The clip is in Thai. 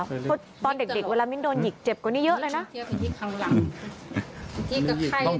เพราะตอนเด็กเวลามิ้นโดนหยิกเจ็บกว่านี้เยอะเลยนะ